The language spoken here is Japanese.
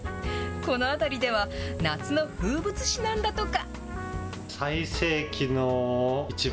この辺りでは、夏の風物詩なんだとか。